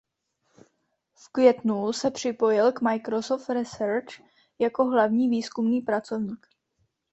V květnu se připojil k Microsoft Research jako hlavní výzkumný pracovník.